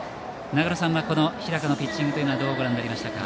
長野さんは日高のピッチングはどうご覧になりましたか？